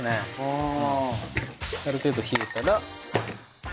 ある程度冷えたら。